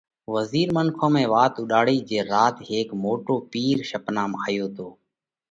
وزِير منکون ۾ وات اُوڏاڙئِي جي راتي هيڪ موٽو پِير شپنا ۾ آيو تو